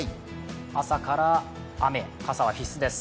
朝から雨、傘は必須です。